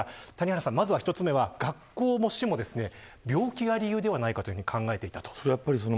谷原さん、まず１つ目は学校も市も病気が理由ではないかと考えていたと。